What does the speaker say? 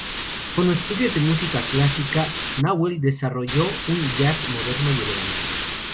Con estudios de música clásica, Nahuel desarrolló un "jazz" moderno y elegante.